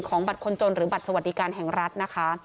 บัตรคนจนหรือบัตรสวัสดิการแห่งรัฐนะคะ